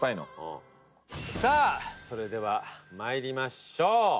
トシ：さあそれでは参りましょう。